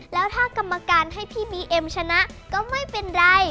แล้วถ้ากรรมการให้พี่บีเอ็มชนะก็ไม่เป็นไร